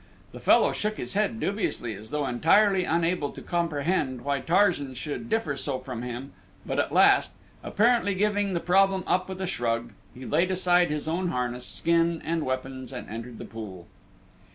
The fellow shook his head dubiously as though entirely unable to comprehend why Tarzan should differ so from him but at last, apparently giving the problem up with a shrug, he laid aside his own harness, skin, and weapons and entered the pool.